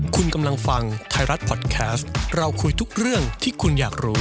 คุณกำลังฟังไทยรัฐพอดแคสต์เราคุยทุกเรื่องที่คุณอยากรู้